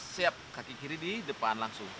siap kaki kiri di depan langsung